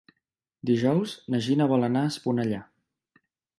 Dijous na Gina vol anar a Esponellà.